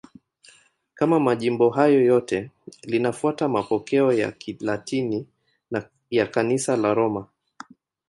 Kama majimbo hayo yote, linafuata mapokeo ya Kilatini ya Kanisa la Roma.